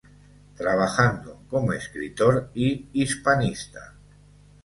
Trabajando como escritor y hispanista.